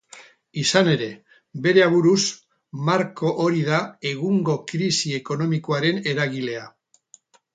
Izan ere, bere aburuz, marko hori da egungo krisi ekonomikoaren eragilea.